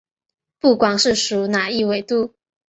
不管是属哪一纬度。